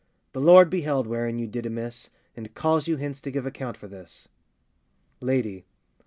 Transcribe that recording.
The Lord beheld wherein you did amiss, And calls you hence to give account for this! LADY.